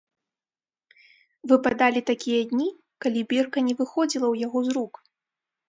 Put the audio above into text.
Выпадалі такія дні, калі бірка не выходзіла ў яго з рук.